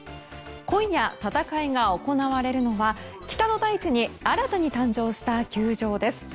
今夜、戦いが行われるのは北の大地に新たに誕生した球場です。